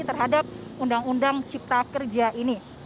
terhadap undang undang cipta kerja ini